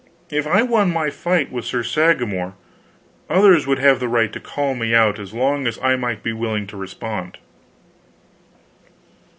If I won my fight with Sir Sagramor, others would have the right to call me out as long as I might be willing to respond.